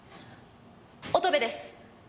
乙部です。